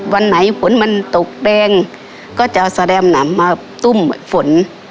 วันไหนฝนมันตกแปลงก็จะแสดงหนำมาตุ้มฝน